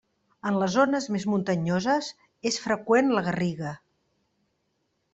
En les zones més muntanyoses és freqüent la garriga.